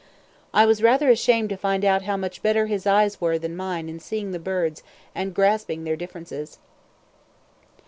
I was rather ashamed to find how much better his eyes were than mine in seeing the birds and grasping their differences.